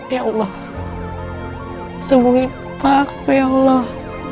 ya allah sembuhin aku ya allah